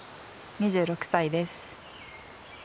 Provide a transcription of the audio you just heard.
２６歳です。